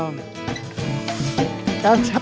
mereka sudah lama sakit